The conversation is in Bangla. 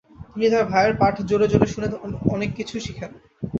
তিনি তার ভাইয়ের পাঠ জোরে জোরে শুনে শুনে অনেক কিছু শিখেন।